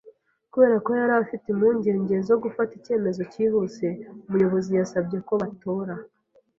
Kubera ko yari afite impungenge zo gufata icyemezo cyihuse, umuyobozi yasabye ko batora.